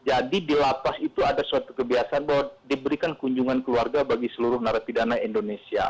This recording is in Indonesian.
jadi di lapas itu ada suatu kebiasaan bahwa diberikan kunjungan keluarga bagi seluruh naruh pidana indonesia